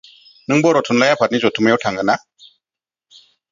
नों बर' थुनलाइ आफादनि जथुम्मायाव थाङो ना?